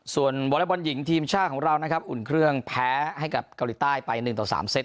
ส่วนวอเล็กบอลหญิงทีมชาติของเรานะครับอุ่นเครื่องแพ้ให้กับเกาหลีใต้ไป๑ต่อ๓เซต